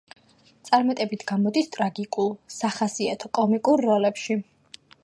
წარმატებით გამოდის ტრაგიკულ, სახასიათო, კომიკურ როლებში.